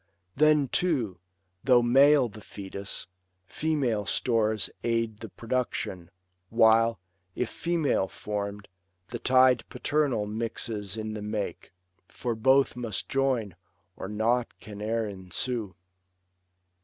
Then, too, though male the fetus, female stores Aid the production ; while, if female form'd, The tide paternal mixes in the make ; For both must join, or nought can e'er ensue.